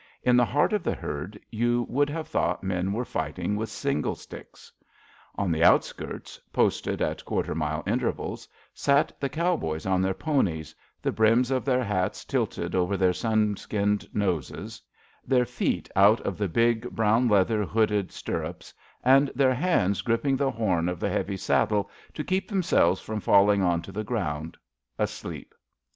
In the heart of the herd you would have thought men were fighting with single sticks. On the outskirts, posted at quarter mile intervals, sat the cowboys on their ponies, the brims of their hats tilted over their sun skinned noses, their feet out of the big brown leather hooded stirrups, and their hands grippiag the horn of the heavy saddle to keep themselves from falling on to the ground — ^asleep.